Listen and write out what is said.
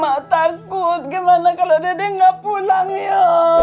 mak takut gimana kalau dedek nggak pulang ya